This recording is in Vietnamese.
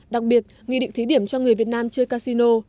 đặc biệt nghị định thí điểm cho người việt nam chơi casino